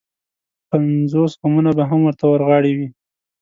پنځوس غمونه به هم ورته ورغاړې وي.